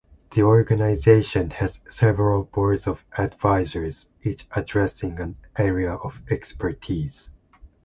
The organization has several boards of advisers, each addressing an area of expertise.